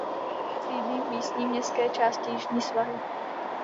Sídlí v místní městské části Jižní svahy.